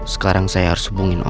sekarang saya harus hubungi nomor